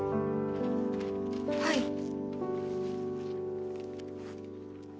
はい。